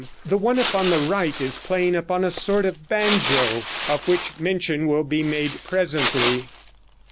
The one upon the right is playing upon a sort of banjo, of which mention will be made presently.